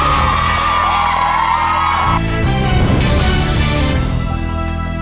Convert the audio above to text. แยกผักให้ถูกประเภทภายในเวลา๒นาทีครึ่งมันลุ้นกันว่าทำได้หรือไม่ได้ครับ